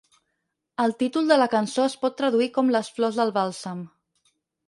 El títol de la cançó es pot traduir com "les flors del bàlsam".